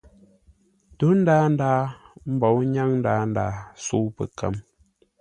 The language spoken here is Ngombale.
Ntó ndaa ndaa mbǒu nyáŋ ndaa ndaa, sə̌u pəkə̌m.